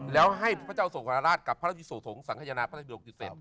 แล้วให้พระเจ้าสกราชกับพระราชยุโสธงสังขยนาพระตายปิดกษ์